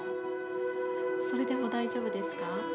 それでも大丈夫ですか？